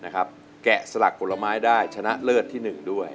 แกะสลักผลไม้ได้ชนะเลิศที่๑ด้วย